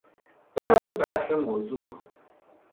برویم به اصل موضوع.